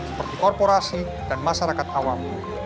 seperti korporasi dan masyarakat awam